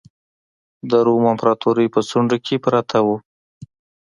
د روم امپراتورۍ په څنډو کې پراته وو.